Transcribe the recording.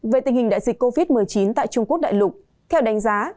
về tình hình đại dịch covid một mươi chín tại trung quốc đại lục theo đánh giá